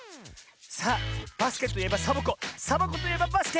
さあバスケといえばサボ子サボ子といえばバスケ！